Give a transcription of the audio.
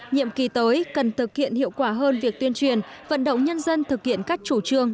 nhiệm kỳ tới cần thực hiện hiệu quả hơn việc tuyên truyền vận động nhân dân thực hiện các chủ trương